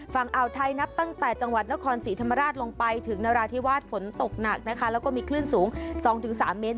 ฝั่งอ่าวไทยนับตั้งแต่จังหวัดนครศรีธรรมราชลงไปถึงนราธิวาสฝนตกหนักนะคะแล้วก็มีคลื่นสูง๒๓เมตร